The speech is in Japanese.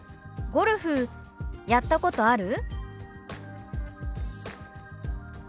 「ゴルフやったことある？」。